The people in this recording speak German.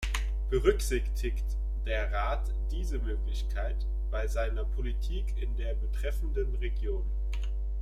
Berücksichtigt der Rat diese Möglichkeit bei seiner Politik in der betreffenden Region?